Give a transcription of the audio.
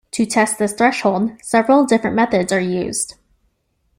To test this threshold, several different methods are used.